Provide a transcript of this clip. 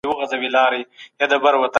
عملي ګامونه پورته کول اړین دي.